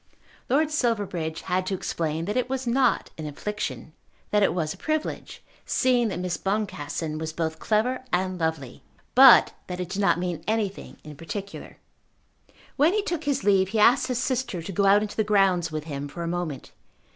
Lord Silverbridge had to explain that it was not an infliction; that it was a privilege, seeing that Miss Boncassen was both clever and lovely; but that it did not mean anything in particular. When he took his leave he asked his sister to go out into the grounds with him for a moment.